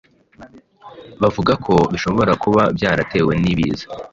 bavuga ko bishobora kuba byaratewe n’ibiza